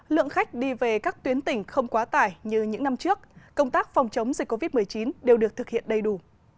lượng khách đi về các tuyến tỉnh không quá tải như những năm trước công tác phòng chống dịch covid một mươi chín đều được thực hiện đầy đủ